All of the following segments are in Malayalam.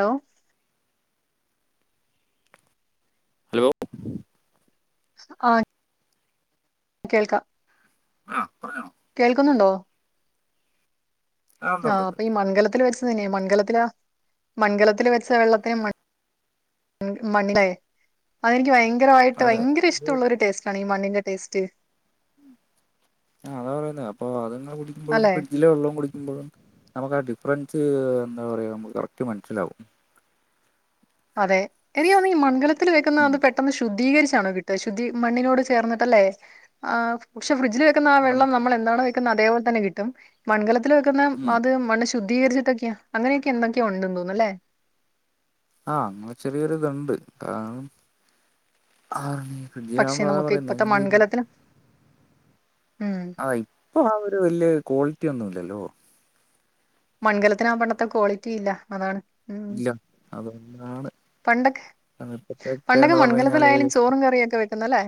ഹലോ. ഹലോ ആഹ്. കേൾക്കാം. ആ പറഞ്ഞോ കേൾക്കുന്നുണ്ടോ? ആ ഉണ്ട് ഉണ്ട് ആഹ് ഉണ്ട് അപ്പൊ ഈ മൺകലത്തിൽ വെച്ച്. അതന്നെ മൺകലത്തിലാ മൺലത്തിൽ വെച്ച വെള്ളത്തിന് മണ്. മണ്ണില്ലേ അതെനിക്ക് ഭയങ്കരമായിട്ട് അതെ ഭയങ്കര അത് ഇഷ്ടമുള്ളൊരു ടേസ്റ്റ് ആണ് ഈ മണ്ണിന്റെ ടേസ്റ്റ്. ആഹ് അതാ പറയുന്നേ അപ്പ അത്ങ്ങെ കുടിക്കുമ്പോഴും അല്ലെ ഫ്രിഡ്ജിലെ വെള്ളം കുടി. മ്പോഴും നമുക്ക് ആ ഡിഫറൻസ് എന്താ പറയാ നമ്മ കറക്റ്റ് മനസ്സിലാാവും. അതെ എനിക്ക്തോന്ന് ഈ മൺകലത്തിൽ വെക്കുന്നതാ പെട്ടെന്ന് ശുദ്ധ. ശുദ്ധീകരിച്ചാണോ കിട്ട ശുദ്ധി മണ്ണിനോട് ചേർന്നിട്ട് അല്ലേ എ പക്ഷെ ഫ്രിഡ്ജിൽ വെക്കുന്ന ആ അത് വെള്ളം നമ്മളെന്നാണോ വെക്കുന്ന അതേപോലത്തന്നെ കിട്ടും മൺകലത്തിൽ വെക്കുന്ന ഉം അത് മണ്ണ് ശു. ശുദ്ധികരിച്ചിട്ടൊക്കെയ അങ്ങനെയൊക്കെ എന്തക്കെയോ ണ്ട് തോന്ന്ന്ന് ല്ലേ ആഹ് അങ്ങനെ ചെറിയൊരു ഇത്ണ്ട് എ ആഹ്. പക്ഷെ നമുക്ക് ഇപ്പത്തെ മൺകലത്തിന് മ് ആ ഇപ്പൊ ആ ഒരു വലിയ ക്വാളിറ്റി ഒന്നുംല്ലല്ലോ. മൺകലത്തിനാ പണ്ടത്തെ ക്വാളിറ്റി ഇല്ല അതാണ് ഉം ഇല്ല അതന്നാണ് പണ്ടൊക്കെ പണ്ടൊക്കെ കഴിഞ്ഞാല് മൺകലത്തിലായാലും ചോറും കറിയൊക്കെ വെക്കുന്നല്ലേ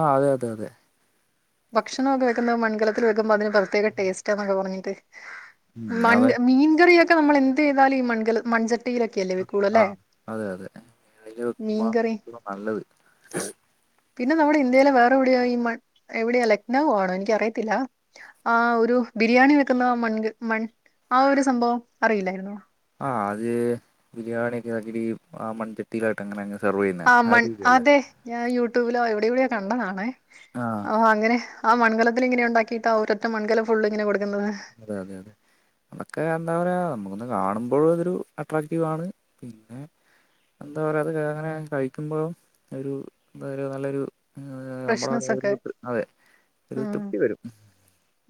ആഹ് അതെ അതെ അതെ ഭക്ഷണ ഒക്കെ വെക്കുന്നത് മൺകലത്തിൽ വെക്കുമ്പോ അതിന് പ്രത്യേക ടേസ്റ്റാ ന്നൊക്കെ പറഞ്ഞിട്ട് ഉം മൺ അതെ മീൻകറിയൊക്കെ നമ്മൾ എന്തി താലും ഈ മൺ കല മൺചട്ടിയി ല്ലേ വെക്കൊള്ളൂ ആ അല്ലെ അതെ അതെ അതില് മാ മീൻകറി നല്ലത് പിന്നെ നമ്മുടെ ഇന്ത്യയിലെ വേറെ എവിടെയോ ഈ മൺ എവിടെയാ ലക്നൌ ആണോ എനിക്ക് അറിയത്തില്ല ആഹ് ഒരു ബിരിയാണി വെക്കുന്ന മൺ മൺ ആഹ് ഒരു സംഭവം അറിയില്ലായിരുന്നോ ആഹ് അത് ബിരിയാണിയക്കെ [unintelligible] ആ മൺച [unintelligible] ട്ടങ്ങനെ അങ്ങ് സർ വിയ്യ്ന്നേ ആ മൺ രീതിയല്ലേ അതെ ഞാൻ യൂട്യൂബിലോ എവിടെ ഇവിടെയോ കണ്ടതാണേ ആ ഓഹ് അങ്ങനെ ആ മൺകലത്തില് ഇങ്ങനെ ഉണ്ടാക്കിട്ടാ ഒരറ്റ മൺകല ഫുള്ള് ഇങ്ങനെ കൊട്ക്ക്ന്നത് അതെ അതെ അതെ അതൊക്കെ എന്താ പറയാ നമുക്കൊന്ന് കാണുമ്പഴും അതൊരു അട്രാക്റ്റീവാണ് പിന്നെ എന്താ പറയാ അത് ഇങ്ങനെ ങ്ങനെ കഴിക്കുമ്പഴും ഒരു എന്താ പറയ നല്ലൊരു ഏഹ് നമ്മുടെ ഫ്രഷ്നെസ് ഒക്കെ അതെ ഒരു തൃ തൃപ്തി വരും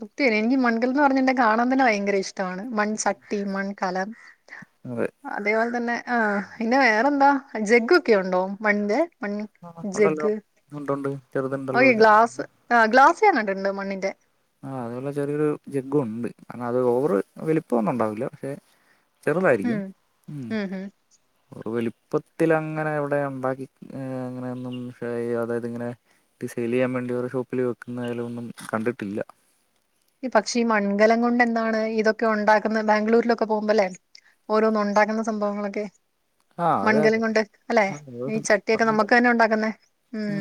സത്യാൺ എനിക്ക് മൺകലം ന്ന് പറഞാ കാണാൻ തന്നെ ഭയങ്കര ഇഷ്ടവാണ് മൺച്ചട്ടി മൺകലം അതാ അതെ അതേപോല് തന്നെ ആഹ് പിന്നെ വേറെന്താ ജഗ്ഗൊക്കെ യുണ്ടോ മണ്ണിന്റെ മൺ ആഹ് ഉണ്ടല്ലോ ജഗ്ഗ് ഉണ്ട് ഉണ്ട് [unintelligible] ഗ്ലാസ് ആഹ് ഗ്ലാസ് ഞാ കണ്ട്ട് മണ്ണിന്റെ ആഹ് അതേപോലേ ചെറിയൊരു ജഗ്ഗും ഉണ്ട് എന്നാ അത് ഓവറ് വലിപ്പൊന്നും ഉണ്ടാവില്ല പക്ഷെ ചെറുതായിരിക്കും ഉം ഉം ഉം ഒ വല് പ്പത്തിൽ അങ്ങനെ എവടെ ഉണ്ടാക്കി അങ്ങനെയൊന്നും അതായത് ഇങ്ങനെ സൈലിയ്യാൻ വേണ്ടി ഓരോ ഷോപ്പിൽ വെക്കുന്നായാലും ഒന്നും കണ്ടിട്ടില്ല പക്ഷേ ഈ മൺകലം കൊണ്ട് എന്താണ് ഈതൊക്കെ ഉണ്ടാക്കുന്ന ബാംഗ്ലൂരിലൊക്കെ പോവുമ്പല്ലേ ഓരോന്നും ഉണ്ടാക്ക്ന്ന സംഭവങ്ങളൊക്കെ ആ അതെ മൺകലം അതെ കൊണ്ട് അല്ലെ ആ, ഈ അത് ചട്ടിയൊക്കെ അതാകുമ്പോ, നമ്മക്കന്നെ ഉണ്ടാക്കുന്നേ ഉം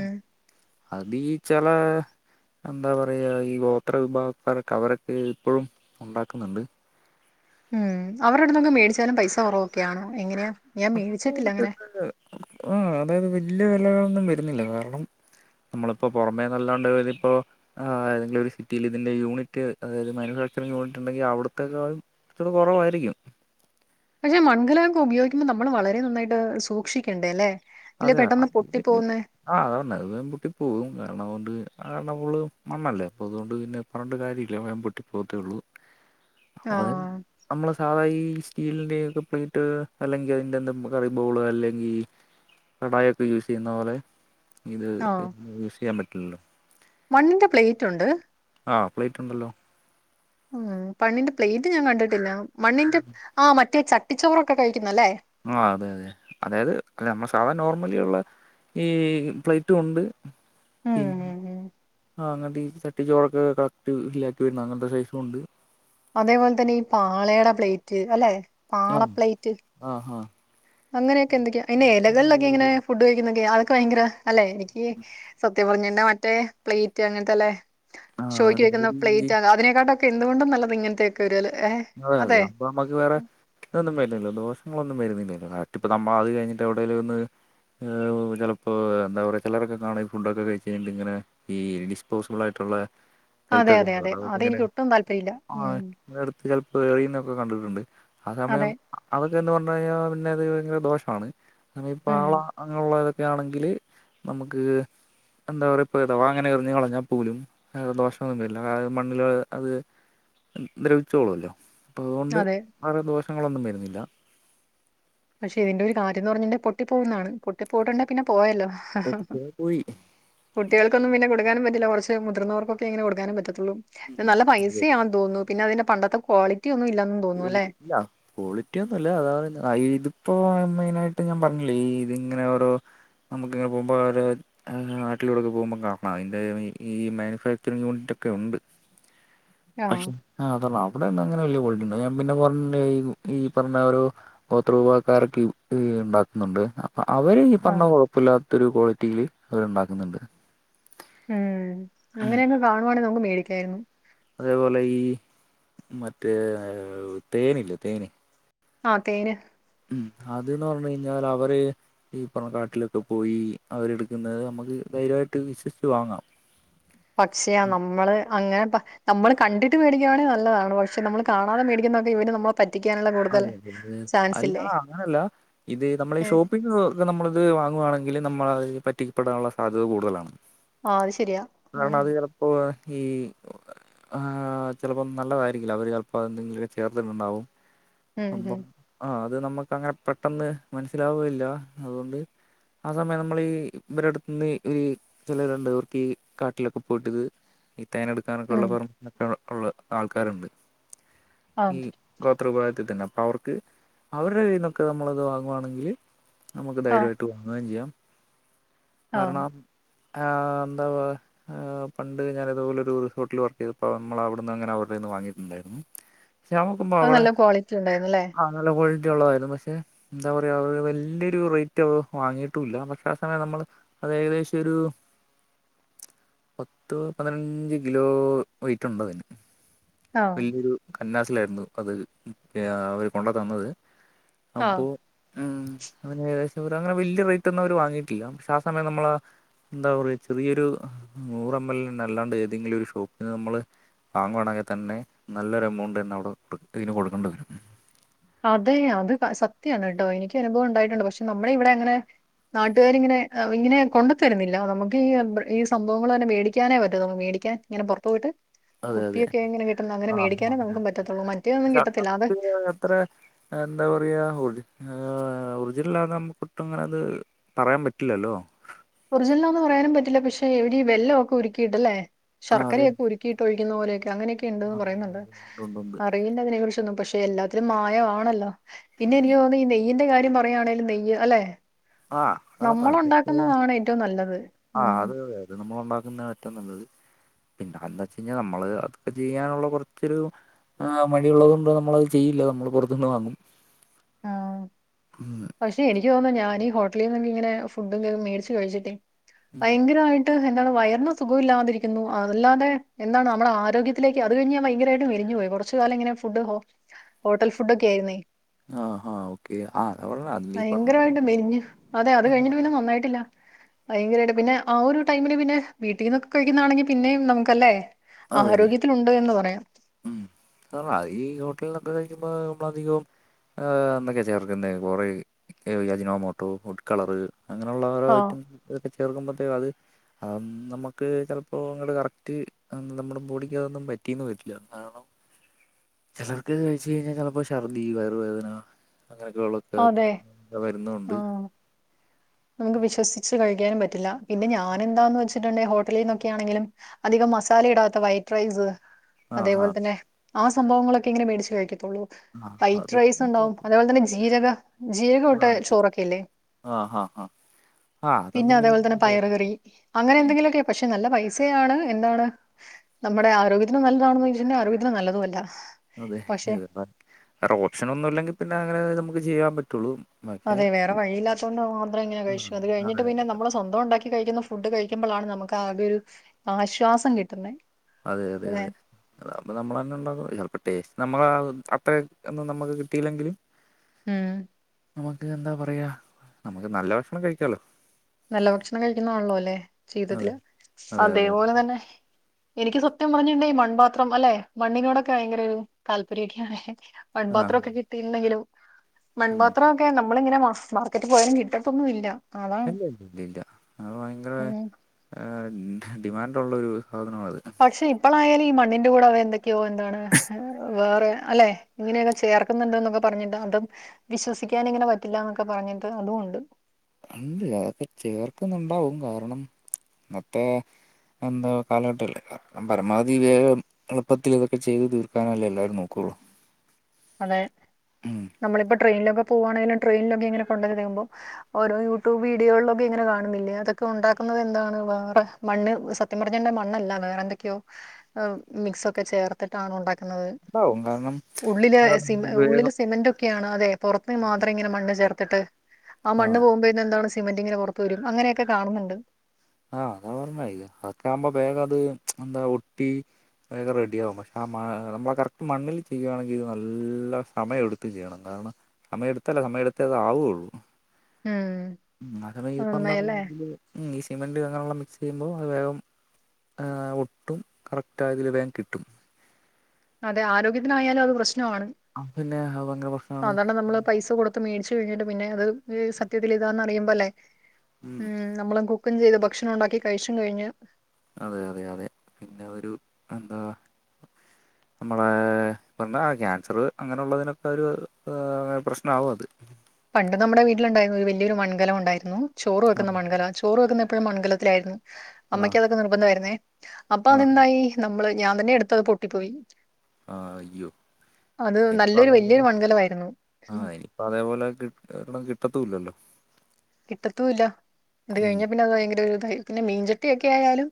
അതി ചെലേ എന്താ പറയാ ഈ ഗോത്ര വിഭാഗക്കാരൊക്കെ അവരൊക്കെ ഇപ്പഴും ഉണ്ടാക്ക്ന്ന്ണ്ട് ഉം അവരെട്ത്ത്ന്ന് മേടിച്ചാലും പൈസ കൊറവൊക്കെയാണോ എങ്ങനെയാ ഞാൻ മേടിച്ചിട്ടില്ല അങ്ങനെ [unintelligible] അതായത് വല്ല്യ വെലകളൊന്നും വരുന്നില്ല കാരണം നമ്മള്പ്പോ പൊറമേ നല്ലാണ്ട് തിപ്പോ ആഹ് ഏതെങ്കിലും ഒരു സിറ്റിൽ ഇതിന്റെ യൂണിറ്റ് അതായത് മാനുഫാക്ചറിംങ് യൂണിറ്റ് ഇണ്ടെങ്കി അവ്ട്ത്തെക്കാളും അപ്പത് കൊറവായിരിക്കും പക്ഷെ മൺകലൊക്കെ ഉപയോഗിക്കുമ്പോ നമ്മൾ വളരെ നന്നായിട്ട് സൂക്ഷിക്കേണ്ടേ ലെ ഇല്ല അതെ പെട്ടന്ന് പൊട്ടി പോവുന്ന് ആഹ് അതാ പറഞ്ഞ് വേം പൊട്ടി പോവും കാരണം അതൊണ്ട് കാരണപ്പോള് മണ്ണല്ലേ അപ്പൊ അതൊണ്ട് പിന്നെ പറഞ്ണ്ട് കാര്യമില്ല വേം പൊട്ടി പോത്തേ ഒള്ളൂ അപ്പ അതൻ ആഹ് നമ്മള് സാധാ ഈ സ്റ്റീലിന്റെ ഒക്കെ പ്ലേറ്റ് അല്ലെങ്കി അതിന്റെ എന്ത കറി ബൗള് അല്ലെങ്കി കടായൊക്കെ യൂസ് ചെയ്യുന്ന പോലെ ഇത് ആഹ് യൂസ് ചെയ്യാൻ പറ്റില്ലല്ലോ മണ്ണിന്റെ പ്ലേറ്റ് ഉണ്ട് ആഹ് പ്ലേറ്റ് ഉണ്ടല്ലോ ഉം മണ്ണിന്റെ പ്ലേറ്റ് ഞാൻ കണ്ടിട്ടില്ല. മണ്ണിന്റെ ആഹ് മറ്റേ ചട്ടിച്ചോറൊക്കെ കഴിക്കുന്ന അല്ലേ ആഹ് അതെ അതെ, അതായത് അല്ല നമ്മൾ സാധാരണ നോർമലിയുള്ള ഈ പ്ലേറ്റും ഉണ്ട് ഉം ഉം ഉം [unintelligible] ചട്ടി ചോറൊക്കെ കറക്റ്റ് ഫില്ലആക്കി വരുന്ന അങ്ങനത്തെ സൈസും ഉണ്ട് അതേപോലെ തന്നെ ഈ പാളേടെ പ്ലേറ്റ് അല്ലെ പാളപ്ലേറ്റ് ആഹാ അങ്ങനെയൊക്കെ എതൊക്കെ അയ്ന് എലകൾലൊക്കെങ്ങനെ ഫുഡ് കഴിക്കുന്നൊക്കെ അക്ക് ഭയങ്കര അല്ലെ എനിക്ക് സത്യം പറഞ്ഞാണ്ടെ മറ്റേ പ്ലേറ്റ് അങ്ങനത്തെല്ലേ ആഹ് ഷോക്കി അതെ വെക്കുന്ന ഈ- പ്ലേറ്റ് അതിനേക്കാട്ടുക്കെ എന്തുകൊണ്ടും നല്ലത് ഇങ്ങനത്തെെയൊക്കെ ഒരുരാല് ഏ അതെ അതെ ഇപ്പൊ നമുക്ക് വേറെ ഇതൊന്നും വരുന്നില്ലല്ലോ ദോഷങ്ങളൊന്നും വരുന്നില്ലല്ലോ ഇപ്പ നമ്മൾ അത് കഴിഞ്ഞിട്ടൊടേലും ഒന്ന് ഏഹ് ചെലപ്പോൾ എന്താ പറയാ ചിലറൊക്കെ കാണ ഈ ഫുഡൊക്കെ കഴിച്ചഴിഞ്ഞിട്ടിങ്ങനെ ഈ ഡിസ്പോസിബിളാആയിട്ടുള്ള അതെ, അതെ, ടൈറ്റൊക്കെണ്ടോ അതെ. അതങ്ങനെ അതെനിക്ക് ഒട്ടും താല്പര്യമില്ല. ഉം. ആഹ് നിർ എറിയുന്നൊക്കെ കണ്ടിട്ടുണ്ട് ആ അതെ. സമയം അതൊക്കെ ന്ന് പറഞ്ഞു കഴിഞ്ഞാൽ പിന്നെ അത് ഭയങ്കര ദോഷമാണ് ഉം. പാള അങ്ങനെയുള്ളതൊക്കെ ആണെങ്കില് നമുക്ക് എന്താ പറയാപഥവാ അങ്ങനെ എറിഞ്ഞ് കളഞ്ഞാ പോലും എഹേ ദോഷൊന്നില്ല മണ്ണിൽ അത് ദ്രവി ച്ചോളല്ലോ അപ്പോ അതോണ്ട് അതെ. വേറെ ദോഷങ്ങളൊന്നും വര്ന്നില്ല അതുശരി പക്ഷെ ഇതിന്റെ ഒരു കാര്യംന്ന് പറഞ്ഞട്ടുെ പൊട്ടി പോകുന്നതാണ് പൊട്ടി പോയിട്ടുണ്ടെ പിന്നെ പോയല്ലോ ഓക്കെ പോയി കുട്ടികൾക്കൊന്നും പിന്നെ കൊടുക്കാനും പറ്റില്ല കൊറച്ച് മുതിർന്നവർക്കൊക്കെ ഇങ്ങനെ കൊടുക്കാനും പറ്റ്- ത്തൊള്ളൂ നല്ല പൈസയാന്ന് തോന്നുന്നു പിന്നെ അതിന്റെ പണ്ടത്തെ ക്വാളിറ്റി ഒന്നും ഇല്ലാ ില്ല [unintelligible] ക്വാളിറ്റി ഒന്നുംല്ലാ അതാ ഇതിപ്പോ മെയിനായിട്ട് ഞാൻ പറഞ്ഞില്ലേ ഈ ഇതിങ്ങനെ ഓരോ നമുക്കിങ്ങനെ പോവുമ്പോ അവര് നാട്ടിലൂടൊക്കെ പോകുമ്പോൾ കാണം അതിൻ്റെ ഈ മാനുഫാക്ചറിങ്ങ് യൂണിറ്റൊക്കെ ഉണ്ട് ആഹ്. ആയ്ശ് ആഹ് അത അവിടെ അങ്ങനെ നല്ല കോളിറ്റിണ്ട് ഞാൻ പിന്നെ പറഞ്ഞ ഈ പറഞ്ഞ ഒരു ഗോത്ര വിഭാഗക്കാരൊക്കെ ഹ്ഹ ണ്ടാക്കുന്നുണ്ട് അപ്പൊ അവര് ആഹ്. പറഞ്ഞ കൊഴപ്പമില്ലാത്തൊരു ക്വാളിറ്റിയിയില് അത്ണ്ടാക്കുന്നുണ്ട് എഹ് അങ്ങനെയൊക്കെ കാണുവാണെങ്കിൽ നമുക്ക് മേടിക്കായിരുന്നു അതേപോലെ ഈ മറ്റേ തേനില്ലേ തേന് ആ തേന് ഉം അത്ന്ന പറഞ്ഞഞ് കഴിഞ്ഞാൽ അവര് ഈ പറഞ്ഞ കാട്ടിലൊക്കെ പോയി അവരെടുക്കുന്നത് നമുക്ക് ധൈര്യമായിട്ട് വിശ്വസിച്ച് വാങ്ങാം പക്ഷേയാ നമ്മള് അങ്ങനെ പ നമ്മള് കണ്ടിട്ട് വേടിക്കാണെങ്കി നല്ലതാണ് പക്ഷെ നമ്മൾ കാണാതെ മേടിക്കുന്നൊക്കെ ഇവടെ നമ്മ പറ്റിക്കാനുള്ള കൂടുതൽ അതെ അതെ അത അല്ല ചാൻസില്ലേ? അങ്ങനെല്ല ഇത് നമ്മളെ ഈ ഏഹ്. ഷോപ്പ് പിന്നെക്കെ നമ്മളിത് വാങ്ങുവാണെങ്കിൽ നമ്മളത് പറ്റിക്കപ്പെടാനുള്ള സാധ്യത കൂടുതലാണ് ആ അത് ശരിയാ. കാരണം ഉം. അത് ചെലപ്പോ ഈ ആഹ് ചിലപ്പം നല്ലതായിരിക്കില്ല. അവർ ചിലപ്പോം അത് എന്തെങ്കിലും ചേർത്തിട്ടുണ്ടാവും ഉം, ഉം. അപ്പം ആ അത് നമ്മുക്ക് അങ്ങനെ പെട്ടെന്ന് മനസ്സിലാവെല്ല അതുകൊണ്ട് ആ സമയം നമ്മളീ ഇവരു അടുത്തന്ന് ഒചിലവ രണ്ട് പവർക്ക് ഈ കാട്ടിലൊക്കെ പോയിട്ടത് ഇത്തേനെടുത്ത് ാനൊക്കെയള്ള ഉം പറക്കെ ഉള്ള ആൾക്കാരുണ്ട് ആഹ് ഈ ഗോത്രപ ന്നെ അപ്പ അവർക്ക് അവരുടെ വിഭാഗത്തിത്തന്നെ അവർക്ക് അവരുടെ കയ്ന്നൊക്കെ നമ്മളത് വാങ്ങുവാണെങ്കിൽ നമുക്ക് ആഹ് ധൈര്യംമായി ചെയ്യാം ആഹ് കാരണം ആ എന്താവാ ആ പണ്ട് ഞാനതുപോലെ ഒരു റിസോട്ടിൽ വർക്ക് ചെയ്ത്പ്പോ നമ്മള് അവിട് ന്ന്ങ്ങനെ അവരുടെകയ്യീന്ന് വാങ്ങീയി ട്ടുഉണ്ടായിരുന്നു അത് നല്ല ക്വാളിറ്റി ഉണ്ടായിുന്നല്ലേ ആ നല്ല ക്വാളിറ്റി ഉള്ളതായിരുന്നു പക്ഷെ എന്താ പറയാ അവ വല്യൊരു റേറ്റ് അവ വാങ്ങിയിട്ടൂല്ല പക്ഷെ ആ സമയം നമ്മള് അത് ഏകദേശം ഒരു പത്ത് പതിനഞ്ച് കിലോ വെയിറ്റ് ണ്ടതിന് ആഹ് വല്ല്യൊരു കന്നാസിലായിരുന്നു അത് അവര് കൊണ്ട തന്നത് ആഹ് അപ്പോ ഉം അങ്ങനെകദേശരങ്ങനെ വല്ല്യ റേറ്റ് ഒന്നും അവര് വാങ്ങിയിട്ടില്ല പക്ഷെ ആ സമയം നമ്മള ന്താ പറയ ചെറിയൊരു നൂറ് എം എൽ എന്നല്ലാണ്ട് ഏതെങ്കിലൊരു ഷോപ്പിന്ന് നമ്മള് വാങ്ങുവാണെങ്കി തന്നെ നല്ലൊരു എമൗണ്ടെന്നെ അവടെ ഇതിന് കൊടുക്കണം അത് അത് സത്യാണ് കേട്ടോ എനിക്കനുഭവം ണ്ടായിട്ടുണ്ട് പക്ഷെ നമ്മളെ ഇവിടങ്ങനെ നാട്ടുകാരിങ്ങനെ ഇങ്ങനെ കൊണ്ട്ത്തരുന്നില്ല നമുക്ക് ഈ ഈ സംഭവങ്ങൾ തന്നെ മേടിക്കാനേ പറ്റത്തൊള്ളൂ മേടിക്കാൻ ങ്ങനെ പൊർത്തു പോയിട്ട് അതെ അതെ കുപ്പിയൊക്കെ ങ്ങനെ കിട്ടുന്ന അങ്ങനെ ആഹ് ആ മേടിക്കാനേ നമുക്ക് പത്തുള്ളൂ മറ്റേതൊന്നും കിട്ടത്തില്ല അത് ത്രെ എന്താ പറയാ ഒറി ഒറിജിനലാന്ന മ്മക്ക് പെട്ടെന്നത് പറയാൻ പറ്റില്ലല്ലോ ഒറിജിനലാന്ന് പറയാനും പറ്റില്ല പക്ഷെ ഇവരീ വെല്ലഒക്കെ ഉരുക്കിയിട്ടല്ലേ ആഹ് അതെ ശർക്കരയൊക്കെ ഉരു ക്കിയിട്ട് ഒഴിക്കുന്ന പോലെയൊക്കെ അങ്ങനെക്കെ ണ്ട്ന്ന് പറയുന്നുണ്ട് ഉണ്ടുണ്ട് നെയ്യിന്റെ തിനെ കുറിച്ചൊന്നും പക്ഷെ എല്ലാത്തിലും മായമാണല്ലോ. പിന്നെനിക്ക് തോന്നി ഈ നെയ് യ്യിന്റെ കാര്യ പറയാണെലും നെയ്യ് അല്ലെ ആഹ് [unintelligible] ഏറ്റവും നല്ലത് ആഹ് ഉം അത് തന്നെ അത് നമ്മൾ ഉണ്ടാക്കുന്ന ഏറ്റം നല്ലത് പിന്നെ അന്താചൈഞ്ഞാ നമ്മള് അതൊക്കെ ചെയ്യാനുള്ള കൊർച്ചൊരു ആ മടിയുള്ളത് കൊണ്ട് നമ്മളത് ചെയ്യില്ല നമ്മൾ പൊറത്ത്ന്ന് വാങ്ങും റ്റ് എനിക്ക് തോന്നുന്നു ഞാൻ ഈ ഹോട്ടലിന്നൊക്കെങ്ങനെ ഫുടൊക്കെ മേടിച്ച് കഴിച്ചിട്ടേ ഭയങ്കരമായി ട്ട് എന്താണ് വയറിന് സുഖമില്ലാതിരിക്കുന്നു അതല്ലാതെ എന്താണ് മ്മളെ ആരോഗ്യത്തിലേക്ക് അത് കഴിഞ് ഞാൻ ഭയങ്കരായിട്ട് മെലിഞ്ഞു പോ യി ച്ച് കാലമിങ്ങനെ ഫുഡ് ഹോ ഹോട്ടൽ ഫുടൊക്കെ ആയിരുന്നു ആ ഹ ഓ കെ ആ [unintelligible] ഭയങ്കരായിട്ട് മെലിഞ്ഞ് അതെ അത് കഴിഞ്ഞിട്ട് പിന്നെ നന്നായിട്ടില്ല ഭയങ്കരായിട്ട് പിന്നെ ആ ഒരു ടൈമില് പിന്നെ വീട്ടീന്നൊക്കെ കഴിക്കുന്നാണെങ്കി പിന്നെയും നമുക്കല്ലേ ആരോഗ്യത്തിനുണ്ട് എന്ന് പറയ ഉം ഈ ഹോട്ടൽനൊക്കെ കഴിക്കുമ്പോ നമ്മളധികവും ഏ ന്തൊക്കെ ചേർക്കുന്നെ കുറേ യജിനമോട്ടോ ഫുഡ് കളറ് അങ്ങനുള്ള ഓരോ ആഹ് ഐറ്റം ഇതൊക്കെ ചേർക്കുമ്പത്തേക്കും അത് അ നമുക്ക് ചെലപ്പോ അങ്ങട്ട് കറക്റ്റ് എം നമ്മുടെ ബോഡിക്കതൊന്നും പറ്റിന്ന് വരില്ല കാരണം ചെലർക്ക് കഴിച്ച് കഴിഞ്ഞാ ചെലപ്പോ ശർദി വയറുവേദന അങ്ങനെയൊക്കെ ള്ള അതെ ഹ് വരുന്നുണ്ട് ആഹ് നമുക്ക് വിശ്വസിച്ച് കഴിക്കാനും പറ്റില്ല പിന്നെ ഞാൻ എന്താന്ന് വെച്ചിട്ടുണ്ടെ ഹോട്ടലിന്നൊക്കെയാണെങ്കിലും അധികം മസാല ഇടാത്ത വൈറ്റ് റൈസ് ആ ഹാ അതേപോലെ തന്നെ ആ സംഭവങ്ങളൊക്കെ ഇങ്ങനെ മേടിച്ച് കഴിക്കത്തുള്ളൂ ആ വൈറ്റ് റൈസ് അതൊക്കെ ണ്ടാവും അതേപോൽ തന്നെ ജീരക ജീരക ഇട്ട ചോറൊക്കെ ഇല്ലേ ആഹ് പിന്നെ അതേപോൽ തന്നെ പയറ് കറി അങ്ങനെ ന്തെങ്കിലൊക്കെ പക്ഷെ നല്ല പൈസയാണ് എന്താണ് നമ്മുടെ ആരോഗ്യത്തിന് നല്ലതാണോന്നോയ്ച്ച് കൈഞ്ഞ ആരോഗ്യത്തിന് നല്ലതു അല്ല അതെ പക്ഷെ [unintelligible] വേറെ ഓപ്ഷനൊന്നുംല്ലെങ്കിൽ പിന്നെ അങ്ങനെ നമുക്ക് ചെയ്യാൻ പറ്റുള്ളൂ പക്ഷെ അതെ വേറെവഴിയില്ലാത്തോണ്ട് മാത്രം ങ്ങനെ ഉം കഴിച്ചു അത് അതെ കഴിഞ്ഞിട്ട് പിന്നെ അതെ അതെ നമ്മളെ സ്വന്തം ഉണ്ടാക്കി കഴിക്കുന്ന ഫുഡ് കഴിക്കുമ്പളാണ് നമുക്ക് ആകെ ഒരു ആശ്വാസം കിട്ടുന്നെ അതെ അതെ അല്ലെ? അതെ അപ്പ നമ്മളെന്നെണ്ടാക്ക ചെൽപ ടേസ്റ്റ് നമ്മള അത്ര ഒന്നും നമുക്ക് കിട്ടിയില്ലെങ്കില് ഉം നമ്മക്ക് എന്താ പറയാ നമ്മക്ക് നല്ല ഭക്ഷണം കഴിക്കാലോ നല്ല ഭക്ഷണം കഴിക്കുന്നതാണല്ലോ അല്ലെ ജീവിതത്തിൽ അതെ അതെ അതെ അതേപോലെ തന്നെ എനിക്ക് സത്യം പറഞ്ഞിണ്ടേ മൺപാത്രം അല്ലെ മണ്ണിനോടൊക്കെ ഭയങ്കര ഒരു താല്പര്യൊക്കെയാണ് ആഹ് മൺപാത്രക്കെ കിട്ടിട്ടുണ്ടെങ്കിലും ഉം മൺപാത്രം ഏഹ് നമ്മളിങ്ങനെ മാർക്കറ്റ് പോയാലും കിട്ടത്തൊന്നും ഇല്ല അതാണ് ഇല്ല ഇല്ല ഇല്ല ഇല്ല അത് ഭയങ്കര ഉം ഡിമാൻഡ്ള്ളരു സാധനമാത് പക്ഷെ ഇപ്പളായാല് ഈ മണ്ണിന്റെ കൂടെ അവര് എന്തൊക്കെയോ എന്താണ് വേറെ അല്ലെ ഇങ്ങനെയൊക്കെ ചേർക്കുന്നുണ്ണ്ട് ന്നൊക്കെ പറഞ്ഞിട്ട് അതും വിശ്വസിക്കാനിങ്ങനെ പറ്റില്ല എന്നൊക്കെ പറഞ്ഞിട്ട് അതും ണ്ട് ഉണ്ട് അതൊക്കെ ചേർക്കുന്നുണ്ടാവും കാരണം ഇന്നത്തെ എന്താ കാലഘട്ടല്ലേ പരമാവധി വേഗം എളുപ്പത്തിൽ ഇതൊക്കെ ചെയ്ത് തീർക്കാനല്ലേ എല്ലാരും നോക്കുള്ളൂ അതെ ഉം നമ്മളിപ്പൊ ട്രെയിനിലൊക്കെ പോവാണെങ്കും ട്രെനിലൊക്കെ ഇങ്ങനെ കൊണ്ടുവരുമ്പോ ഓരോ യൂട്യൂബ് വീഡിയോകളിലൊക്കെ ഇങ്ങനെ കാണുന്നില്ലേ അതൊക്കെ ഉണ്ടാക്കുന്നത് എന്താണ് വേറെ മണ്ണ് സത്യംപറഞ്ഞ മണ്ണല്ല വേറെ എന്തൊക്കെയോ മിക്സ് ഒക്കെ ചേർത്തിട്ടാണ് ഉണ്ടാക്കുന്നത് വും കാരണം ഉള്ളില് സി ഉള്ളില് വേഗം സിമെന്റ്റൊക്കെയാണ് അതെ പുറത്ത് മാത്രം ഇങ്ങനെ മണ്ണ് ചേർത്തിട്ട് ആ മണ് ആഹ് പോവുമ്പോഴെ പിന്നെ എന്താണ് സിമെന്റിങ്ങെനെ പൊറത്ത് വരും അങ്ങനെയൊക്കെ കാണുന്നുണ്ട്. ആഹ് അതാ പറഞ്ഞത് അതൊക്കെ ആകുമ്പോ വേഗം അത് എന്താ ഒട്ടി വേഗം റെഡിയാകും പക്ഷെ ആ മ നമ്മൾ ആഹ് കറക്റ്റ് മണ്ണിൽ ചെയ്യുവാണെങ്കിൽത് നല്ല സമയമെടുത്ത് ചെയ്യണം കാരണം സമയെടുത്തല്ല സമയെടുത്ത അത് ആവുള്ളൂ ആഹ് ഉം അത [unintelligible] ഈ സിമെന്റ് അങ്ങനെയുള്ള മിക്സ് ചെയ്യുമ്പോ അത് വേഗം ഇഹ് ഒട്ടും കറക്റ്റ് ആയതിൽ വേഗം കിട്ടും അതെ ആരോഗ്യത്തിനായാലും അത് പ്രശ്നമാണ് അപ്പൊ പിന്നെ അത്‌ ഭയങ്കര പ്രശ്നാണ്. സാധാരണ നമ്മള് പൈസ കൊടുത്ത് മേടിച്ചു കഴിഞ്ഞിട്ട് പിന്നെ അത് സത്യത്തിലിതാന്ന് അറിയുമ്പോ ല്ലേ ഉം നമ്മള് കുക്കും ചെയ്ത് ഭക്ഷണം ഉണ്ടാക്കി കഴിച്ചും കഴിഞ്ഞ് അതെ അതെ അതെ പിന്നെ ഒരു എന്താ നമ്മളെപ്പന്താ ക്യാൻസർ അങ്ങനെള്ളതിനൊക്കെ ഒരു പ്രശ്നമാവും അത് പണ്ട് നമ്മുടെ വീട്ടിലുണ്ടായിരുന്ന ഒരു വലിയൊരു മൺകലം ഉണ്ടായിരുന്നു ചോറ് ആ വെക്കുന്ന മൺകല ചോറ് വെക്കുന്ന എപ്പോഴും മൺകലത്തിലായിരുന്നു അമ്മയ്ക്ക് ആ അതൊക്കെ നിർബന്ധമായിരുന്നേ അപ്പൊ ആ അതെന്തായി നമ്മള് ഞാൻ തന്നെ എടുത്ത്ത് പൊട്ടിപ്പോയി ആ അയ്യോ അത് ഇനിപ്പോ നല്ലൊരു വല്യൊരു അതേപോലെ മൺകലമായിരുന്നു ആ ഹിം ഇനിയിപ്പോ അതേപോലെ കി ഒരെണം കിട്ടത്തൂല്ലല്ലോ കിട്ടത്തൂല്ല ഇത് ഉം കഴിഞ്ഞാൽ പിന്നെ അത് ഭയങ്കര ഒരു ഇത പിന്നെ മീൻചട്ടിയൊക്കെ ആയാലും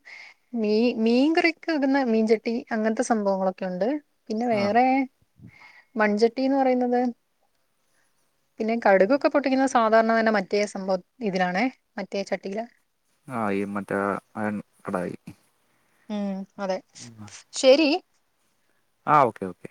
മീ മീൻകറിവെക്കുന്ന മീൻചട്ടി അങ്ങനത്തെ സംഭവങ്ങളൊക്കെണ്ട് പിന്നെ ആ വേറെ മൺചട്ടിന്ന് പറയുന്നത് പിന്നെ കടുകൊക്കെ പൊട്ടിക്കുന്ന സാധാരണ തന്നെ മറ്റേ സംഭവ ഇതിലാണെ മറ്റേ ചട്ടിയില ആഹ് ഈ മറ്റേ അയേൺ കടായി ഉം അതെ ഉം ആഹ് ശരി ആഹ് ഓക്കെ ഓക്കെ